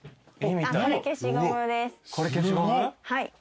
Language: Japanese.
はい。